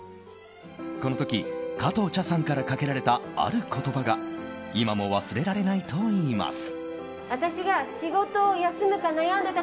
この時、加藤茶さんからかけられたある言葉が今も忘れられないといいます。